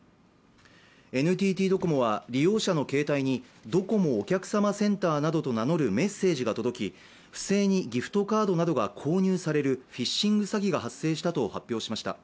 ＮＴＴドコモは利用者の携帯にドコモお客様センターなどと名乗るメッセージが届き不正にギフトカードなどが購入されるフィッシング詐欺が発生したと発表しました。